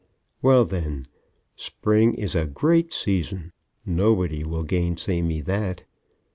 Well then, Spring is a great season. Nobody will gainsay me that.